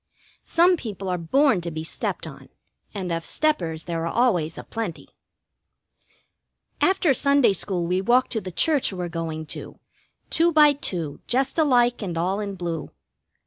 Some people are born to be stepped on, and of steppers there are always a plenty. After Sunday school we walk to the church we're going to, two by two, just alike and all in blue.